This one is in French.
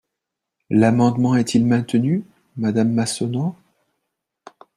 L’amendement est-il maintenu, madame Massonneau?